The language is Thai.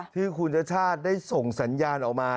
ที่คุณชาติชาติได้ส่งสัญญาณออกมา